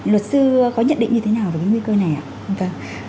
luật sư có nhận định như thế nào về nguy cơ này ạ